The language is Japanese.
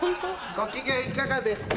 ご機嫌いかがですか？